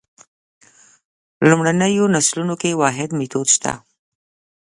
لومړنیو نسلونو کې واحد میتود شته.